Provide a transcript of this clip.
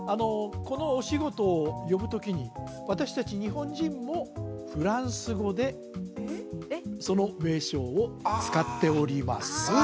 このお仕事を呼ぶ時に私達日本人もフランス語でその名称を使っております